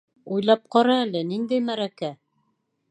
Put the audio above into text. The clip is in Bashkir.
Уйлап ҡара әле ниндәй мәрәкә!